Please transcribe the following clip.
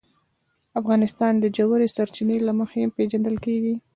افغانستان د ژورې سرچینې له مخې پېژندل کېږي.